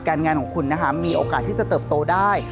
งานของคุณนะคะมีโอกาสที่จะเติบโตได้